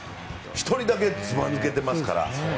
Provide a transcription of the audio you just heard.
１人だけずば抜けていますから。